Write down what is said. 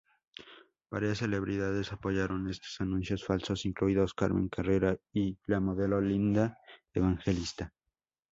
Varias celebridades apoyaron estos anuncios falsos incluidos Carmen Carrera y la modelo Linda Evangelista.